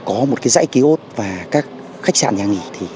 có một cái dãy ký ốt và các khách sạn nhà nghỉ